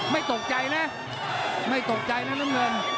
ไม่ตกใจนะไม่ตกใจนะน้ำเงิน